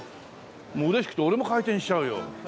もう嬉しくて俺も回転しちゃうよ。